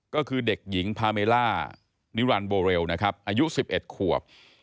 ก็คือเด็กหญิงพาเมล่านิรันดิโบเรลนะครับอายุ๑๑ขวบ